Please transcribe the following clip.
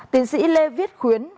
tiến sĩ lê viết khuyến